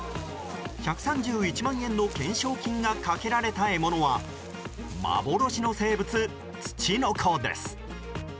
１３１万円の懸賞金がかけられた獲物は幻の生物、ツチノコです。